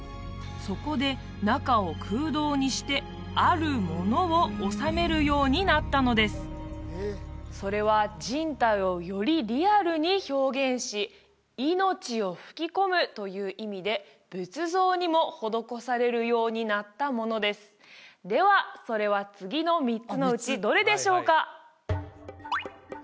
そこで中を空洞にしてあるものを収めるようになったのですそれは人体をよりリアルに表現し命を吹き込むという意味で仏像にも施されるようになったものですではそれは次の３つのうちどれでしょうか？